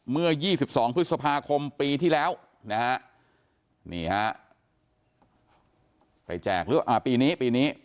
เมื่อ๒๒พฤษภาคมปีที่แล้วนะฮะนี่ฮะไปแจกปีนี้ปีนี้